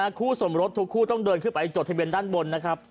คู่สมรสทุกคู่ต้องเดินขึ้นไปจดทะเบียนด้านบนนะครับ